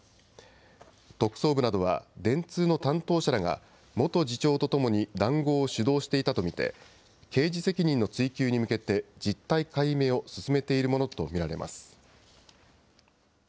特捜部などは、電通の担当者らが元次長とともに談合を主導していたと見て、刑事責任の追及に向けて、実態解明を進めているものと見られます。